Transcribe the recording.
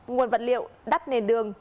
nguồn vật liệu đắp nền đường